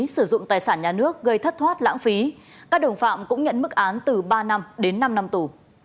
sử dụng tài sản nhà nước gây thất thoát lãng phí các đồng phạm cũng nhận mức án từ ba năm đến năm năm tù